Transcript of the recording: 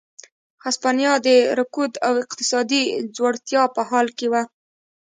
هسپانیا د رکود او اقتصادي ځوړتیا په حال کې وه.